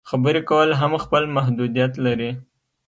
خبرې کول هم خپل محدودیت لري.